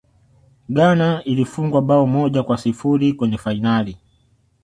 ghana ilifungwa bao moja kwa sifuri kwenye fainali